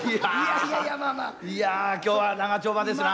いや今日は長丁場ですな。